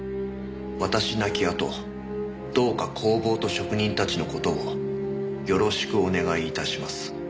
「私なきあとどうか工房と職人達のことをよろしくお願いいたします」